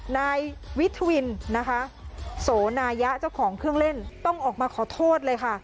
นายวิทวินนะคะโสนายะเจ้าของเครื่องเล่นต้องออกมาขอโทษเลยค่ะ